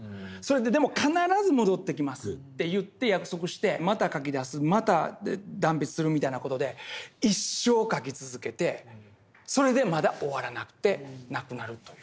でも必ず戻ってきますって言って約束してまた描きだすまた断筆するみたいな事で一生描き続けてそれでまだ終わらなくて亡くなるという。